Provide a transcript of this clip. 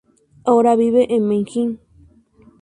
Ahora vive en Beijing.